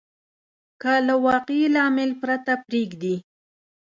که له واقعي لامل پرته پرېږدي.